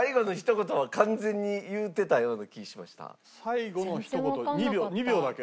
最後のひと言２秒２秒だけ。